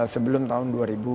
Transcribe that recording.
sebelum tahun dua ribu tiga puluh